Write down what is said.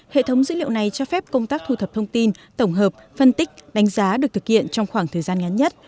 hệ thống dữ liệu này cho phép công tác thu thập thông tin tổng hợp phân tích đánh giá được thực hiện trong khoảng thời gian ngắn nhất